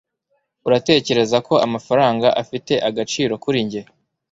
Uratekereza ko amafaranga afite agaciro kuri njye?